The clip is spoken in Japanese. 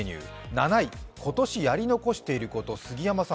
７位、今年やり残していること。